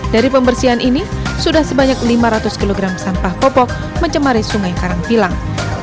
dari pembersihan ini sudah sebanyak lima ratus kg sampah popok mencemari sungai karangpilang